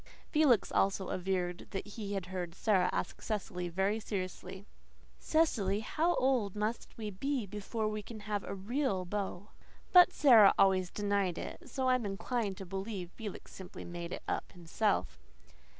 Felix also averred that he heard Sara ask Cecily very seriously, "Cecily, how old must we be before we can have a REAL beau?" But Sara always denied it; so I am inclined to believe Felix simply made it up himself.